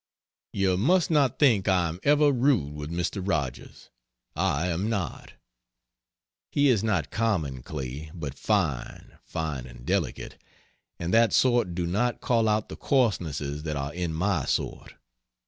You must not think I am ever rude with Mr. Rogers, I am not. He is not common clay, but fine fine and delicate and that sort do not call out the coarsenesses that are in my sort.